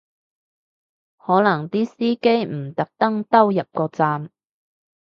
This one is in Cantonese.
可能啲司機唔特登兜入個站